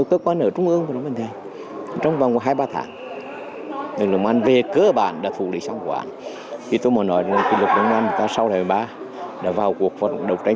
cơ quan điều tra điều tra và cơ quan điều tra bộ công an